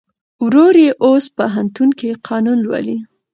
ورور یې اوس پوهنتون کې قانون لولي.